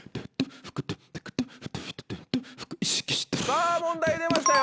さぁ問題出ましたよ。